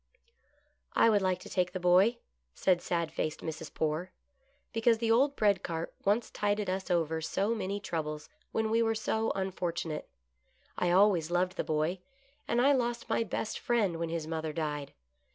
" I would like to take the boy," said sad faced Mrs. Poore, " because the old bread cart once tided us over so many troubles when we were so unfortunate. I always loved the boy, and I lost my best friend when his mother died.